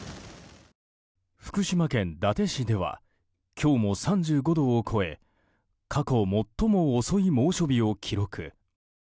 福島県伊達市では今日も３５度を超え過去最も遅い猛暑日を記録。